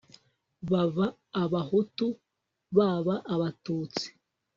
baba abahutu baba abatutsi